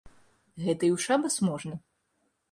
Гэта і ў шабас можна!